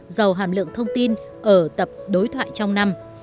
giàu hàm lượng thông tin ở tập đối thoại trong năm